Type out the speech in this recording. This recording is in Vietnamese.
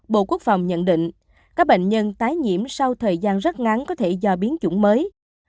bộ quốc phòng nhận định các bệnh nhân tái nhiễm sau thời gian rất ngắn có thể do biến chủng mới